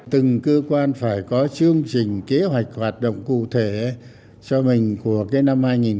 từng cơ quan phải có chương trình kế hoạch hoạt động cụ thể cho mình của năm hai nghìn hai mươi hai này